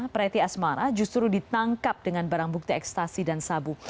preti asmara justru ditangkap dengan barang bukti ekstasi dan sabu